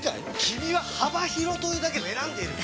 君は幅広というだけで選んでいる！